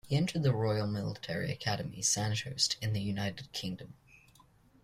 He entered the Royal Military Academy Sandhurst in the United Kingdom.